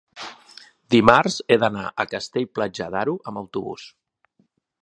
dimarts he d'anar a Castell-Platja d'Aro amb autobús.